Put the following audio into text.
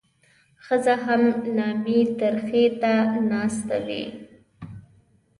ښځه هم نامي ترخي ته ناسته وي.